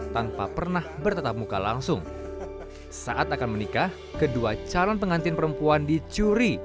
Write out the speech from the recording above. tanpa pernah bertetap muka langsung saat akan menikah kedua calon pengantin perempuan dicuri